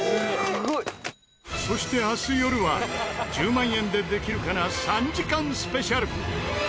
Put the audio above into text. そして明日よるは『１０万円でできるかな』３時間スペシャル。